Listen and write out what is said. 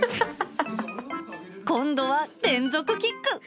今度は連続キック。